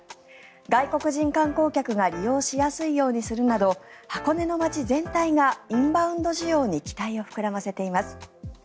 外国人観光客が利用しやすいようにするなど箱根の町全体がインバウンド需要に期待を膨らませています。